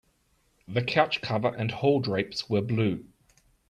The couch cover and hall drapes were blue.